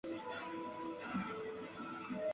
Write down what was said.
中泰得名于原中桥乡与泰山乡的首字。